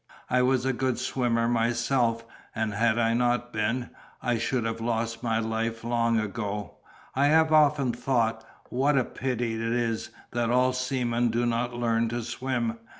I was a good swimmer myself, and had I not been, I should have lost my life long ago; I have often thought, what a pity it is that all seamen do not learn to swim.